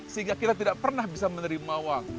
sehingga kita tidak pernah bisa menerima uang